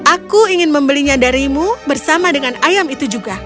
aku ingin membelinya darimu bersama dengan ayam itu juga